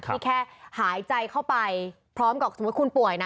ที่แค่หายใจเข้าไปพร้อมกับสมมุติคุณป่วยนะ